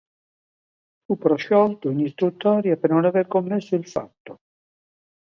Fu prosciolto in istruttoria per non aver commesso il fatto.